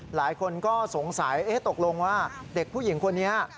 หลายคนก็สงสัยตกลงว่าเด็กผู้หญิงคนนี้